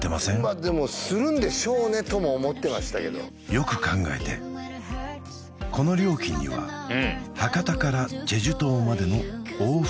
まあでもするんでしょうねとも思ってましたけどよく考えてこの料金には博多から済州島までの往復